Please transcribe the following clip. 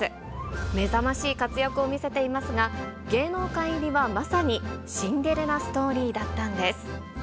目覚ましい活躍を見せていますが、芸能界入りはまさにシンデレラストーリーだったんです。